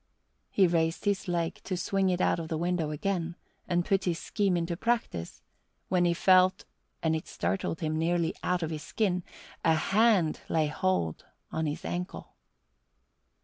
He raised his leg to swing it out of the window again and put his scheme into practice, when he felt and it startled him nearly out of his skin a hand lay hold on his ankle.